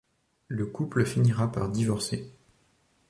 Le couple finira par divorcer.